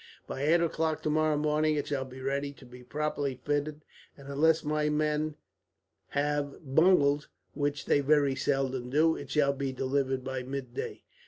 By eight o'clock tomorrow morning it shall be ready to be properly fitted, and unless my men have bungled, which they very seldom do, it shall be delivered by midday."